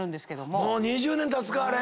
もう２０年たつかあれ。